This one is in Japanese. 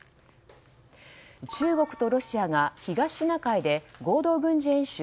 中国とロシアが東シナ海で合同軍事演習。